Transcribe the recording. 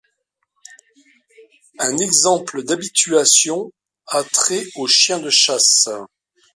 Un exemple d'habituation a trait aux chiens de chasse.